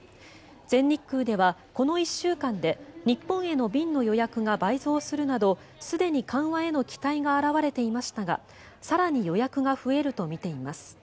全日空ではこの１週間で日本への便の予約が倍増するなどすでに緩和への期待が表れていましたが更に予約が増えるとみています。